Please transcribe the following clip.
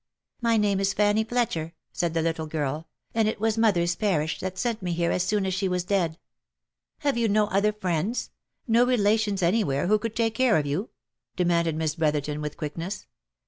" My name is Fanny Fletcher," said the little girl, " and it was mo ther's parish that sent me here as soon as she was dead." " Have you no other friends? — no relations anywhere who could take care of you ?" demanded Miss Brotherton, with quickness.